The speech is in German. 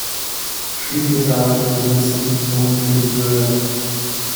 Schließlich arbeiten diese Institutionen für die Bürger.